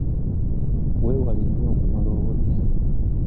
Weewala nnyo okumala obudde.